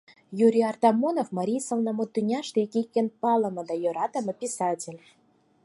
Юрий Артамонов — марий сылнымут тӱняште ик эн пагалыме да йӧратыме писатель.